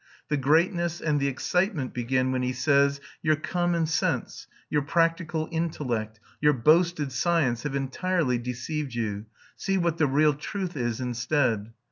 The greatness and the excitement begin when he says: Your common sense, your practical intellect, your boasted science have entirely deceived you; see what the real truth is instead!